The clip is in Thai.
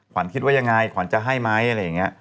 คิดว่ายังไงขวัญจะให้ไหมอะไรอย่างนี้